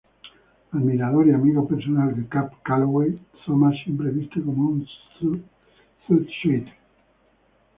Admirador y amigo personal de Cab Calloway, Thomas siempre viste como un zoot suit.